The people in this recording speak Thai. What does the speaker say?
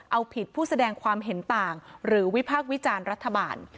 เอาผิดผู้แสดงความเห็นต่างหรือวิพากษ์วิจารณ์รัฐบาล